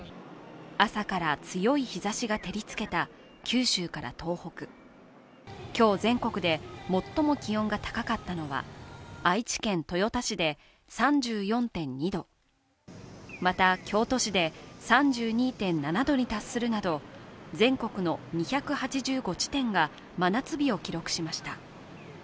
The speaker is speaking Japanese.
朝から強い日差しが照りつけた九州から東北、今日全国で最も気温が高かったのは愛知県豊田市で３４．２度、また京都市で３２．７度に達するなど、全国の２８５地点が真夏日を記録しました。